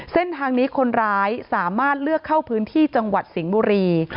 เส้นทางนี้คนร้ายสามารถเลือกเข้าพื้นที่จังหวัดสิงห์บุรี